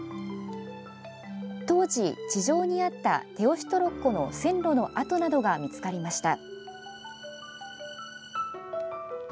当時、地上にあった手押しトロッコの線路の跡などが見つかりました。